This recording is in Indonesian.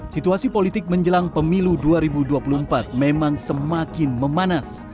situasi politik menjelang pemilu dua ribu dua puluh empat memang semakin memanas